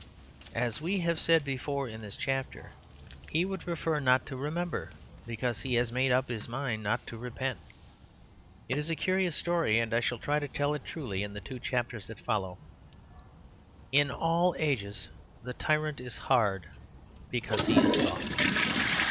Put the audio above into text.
As we have said before in this chapter, he would prefer not to remember, because he has made up his mind not to repent. It is a curious story, and I shall try to tell it truly in the two chapters that follow. In all ages the tyrant is hard because he is soft.